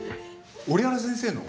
折原先生の？